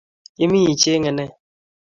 Imi ichenge ne?